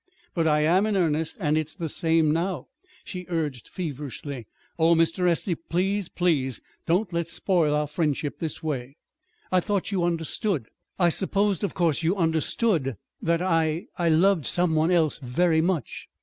"But I am in earnest, and it's the same now," she urged feverishly. "Oh, Mr. Estey, please, please, don't let's spoil our friendship this way. I thought you understood I supposed, of course, you understood that I I loved some one else very much."